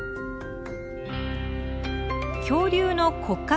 恐竜の骨格